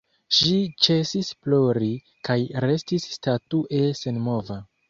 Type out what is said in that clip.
Ŝi ĉesis plori, kaj restis statue senmova.